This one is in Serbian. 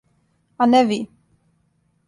А не ви.